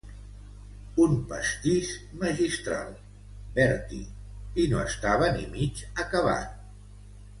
Un pastís magistral, Bertie, i no estava ni mig acabat.